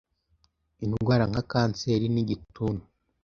indwara nka kanseri n’igituntu